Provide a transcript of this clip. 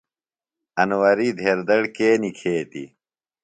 انوری ڈھیر دڑ کے نِکھیتیۡ؟